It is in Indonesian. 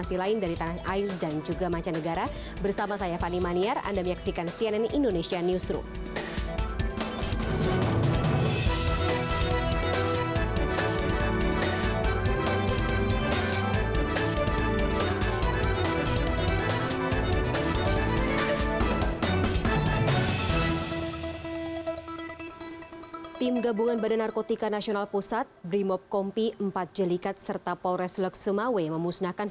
sampai jumpa di sianen indonesia newsroom